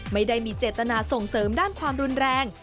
ไม่ได้มีเจตนาส่งเสริมด้านความรุนแรง